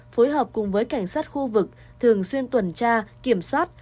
phối hợp cùng với cảnh sát khu vực thường xuyên tuần tra kiểm soát